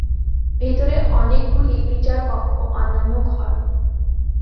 ভেতরে অনেকগুলি বিচার কক্ষ, অন্যান্য ঘর।